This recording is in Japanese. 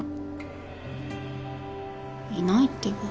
いないってば。